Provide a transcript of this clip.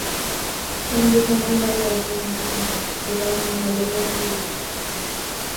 তোদের জামাইবাবু একদিন আমাকে ডাকত রঙমহলের রঙ্গিনী।